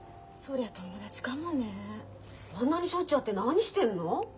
あんなにしょっちゅう会って何してんの？